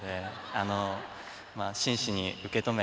あの真摯に受け止め。